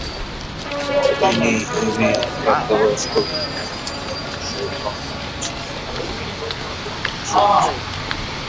তিনি এভিএন প্রাপ্তবয়স্ক বিনোদন মেলায় অংশ নিয়েছেন।